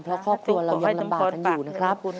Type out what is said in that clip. เพราะครอบครัวเรายังลำบากกันอยู่นะครับ